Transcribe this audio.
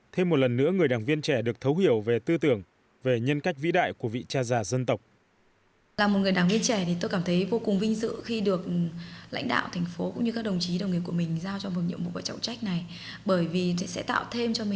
thêm một lần nữa người đảng viên trẻ được thấu hiểu về tư tưởng về nhân cách vĩ đại của vị cha già dân tộc